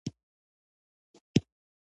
که زما منې نو د جامو ګنډلو یو ماشين واخله